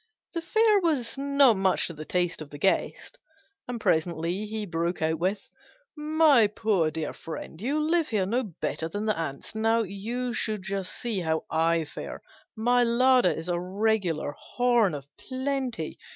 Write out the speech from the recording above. The fare was not much to the taste of the guest, and presently he broke out with "My poor dear friend, you live here no better than the ants. Now, you should just see how I fare! My larder is a regular horn of plenty.